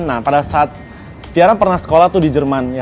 nah pada saat tiara pernah sekolah tuh di jerman